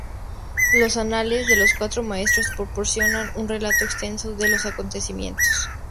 Los "Anales" de los Cuatro Maestros proporcionan un relato extenso de los acontecimientos.